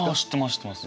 知ってます。